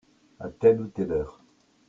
À telle ou telle heure.